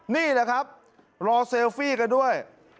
นี่แหละครับรอเซลฟี่กันด้วย